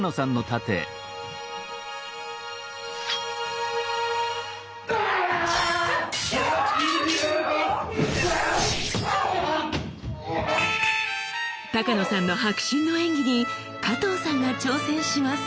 多加野さんの迫真の演技に加藤さんが挑戦します！